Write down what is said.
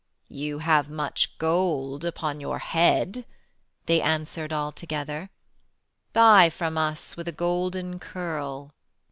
"You have much gold upon your head," They answered altogether: "Buy from us with a golden curl."